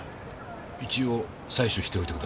一応採取しておいてください。